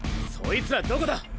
そいつらどこだ